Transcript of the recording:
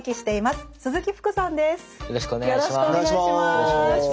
よろしくお願いします。